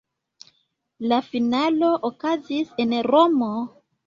La finalo okazis en Romo.